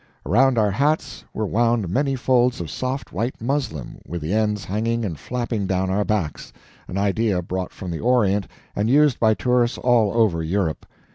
Around our hats were wound many folds of soft white muslin, with the ends hanging and flapping down our backs an idea brought from the Orient and used by tourists all over Europe.